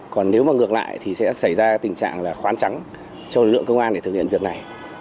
còn nếu mà ngược lại thì sẽ xảy ra tình trạng là khoán trắng cho lực lượng công an để thực hiện việc này